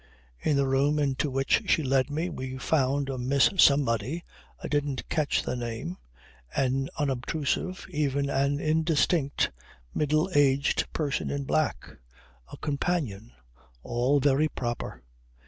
In the room into which she led me we found a Miss Somebody I didn't catch the name, an unobtrusive, even an indistinct, middle aged person in black. A companion. All very proper.